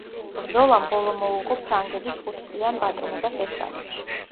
ბრძოლამ ბოლო მოუღო ფრანგების ხუთწლიან ბატონობას ესპანეთში.